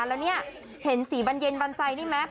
แล้วเนี่ยเห็นสีบันเย็นบันไดนี่ไหม